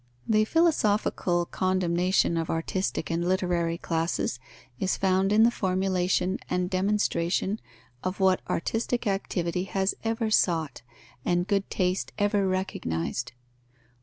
The philosophical condemnation of artistic and literary classes is found in the formulation and demonstration of what artistic activity has ever sought and good taste ever recognized.